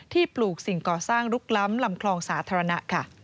ปลูกสิ่งก่อสร้างลุกล้ำลำคลองสาธารณะ